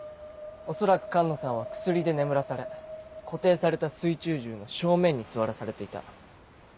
恐らく寒野さんは薬で眠らされ固定された水中銃の正面に座らされていた。